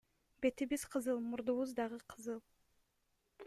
Бетибиз кызыл, мурдубуз дагы кызыл.